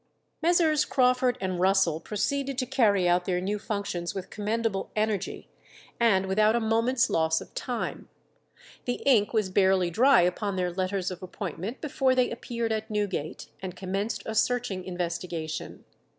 Messrs. Crawford and Russell proceeded to carry out their new functions with commendable energy, and without a moment's loss of time. The ink was barely dry upon their letters of appointment before they appeared at Newgate, and commenced a searching investigation.